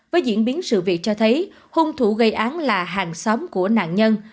với diễn biến sự việc cho thấy hung thủ gây án là hàng xóm của nạn nhân